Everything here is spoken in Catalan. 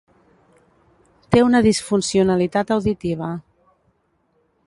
Té una disfuncionalitat auditiva.